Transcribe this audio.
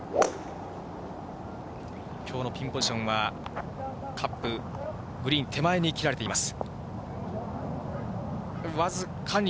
きょうのピンポジションは、カップ、グリーン手前に切られています。